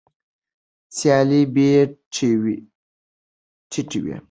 سیالي بیې ټیټوي.